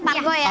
pak go ya